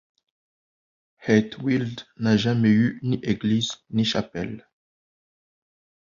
Het Wild n'a jamais eu ni église ni chapelle.